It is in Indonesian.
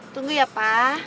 tunggu ya pa